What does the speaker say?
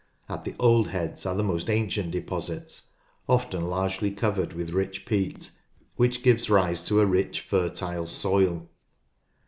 At the old heads are the most ancient deposits, often largely Esthwaite Lake covered with rich peat, which gives rise to a rich fertile soil.